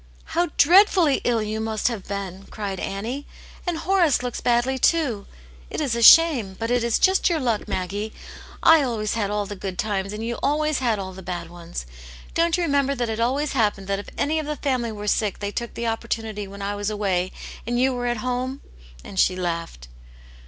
" How dreadfully ill you must have been !" cried Annie. "And Horace looks badly, too. It is a shame. But it is just your luck, Maggie. I always had all the good times, and you always had all the bad ones. Don't you remember, that it always hap* pened that if any of the family were sick they took the opportunity when I was away and you were at home?" And she laughed.